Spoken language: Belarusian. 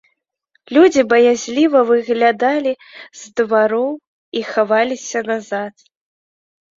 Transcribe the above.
Людзі баязліва выглядалі з двароў і хаваліся назад.